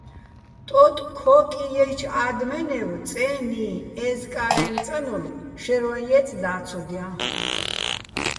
ტოტ-ქო́კი ჲაჩო̆ ა́დმენევ წე́ნიჼ, ეზკა́რეჼ წანოლ შაჲრვაჼ ჲეწე და́ცოდჲაჼ.